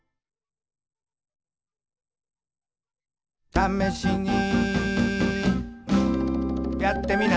「ためしにやってみな」